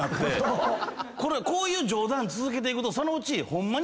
こういう冗談続けていくとそのうちホンマに。